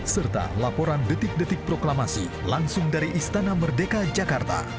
serta laporan detik detik proklamasi langsung dari istana merdeka jakarta